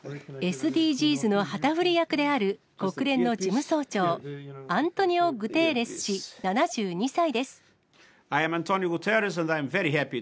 ＳＤＧｓの旗振り役である、国連の事務総長、アントニオ・グテーレス氏７２歳です。